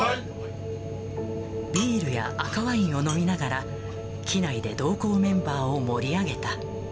ビールや赤ワインを飲みながら、機内で同行メンバーを盛り上げた。